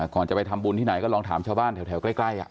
ก่อนจะไปทำบุญที่ไหนก็ลองถามชาวบ้านแถวใกล้